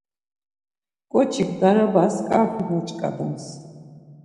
Ǩoçik darabas ǩafri noç̌ǩadams.